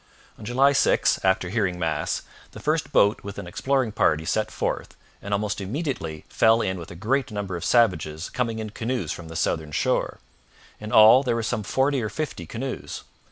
On July 6, after hearing mass, the first boat with an exploring party set forth and almost immediately fell in with a great number of savages coming in canoes from the southern shore. In all there were some forty or fifty canoes.